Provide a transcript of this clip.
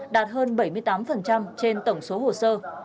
đạt hơn bảy mươi tám trên tổng số hồ sơ